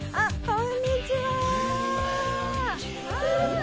こんにちは。